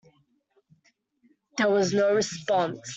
There was no response.